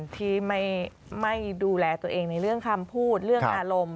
ที่ไม่ดูแลตัวเองในเรื่องคำพูดเรื่องอารมณ์